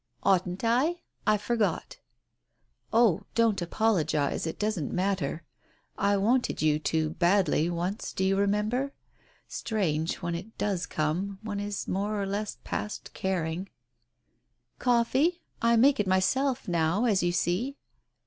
"Oughtn't I?— I forgot." "Oh, don't apologize, it doesn't matter. ... I wanted you to badly, once, do you remember? Strange, when it does come — one is more or less past caring " "Coffee?" she asked. "I make it myself now, as you see!"